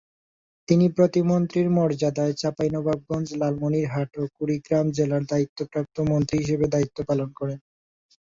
তিনি প্রতিমন্ত্রীর মর্যাদায় চাঁপাইনবাবগঞ্জ, লালমনিরহাট ও কুড়িগ্রাম জেলার দায়িত্বপ্রাপ্ত মন্ত্রী হিসেবে দায়িত্ব পালন করেন।